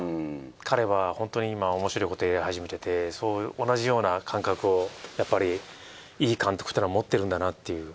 彼はホントに今おもしろいことをやりはじめてて同じような感覚をやっぱりいい監督っていうのは持ってるんだなっていう。